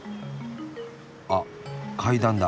あっ階段だ。